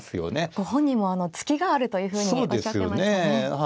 ご本人もツキがあるというふうにおっしゃってましたね。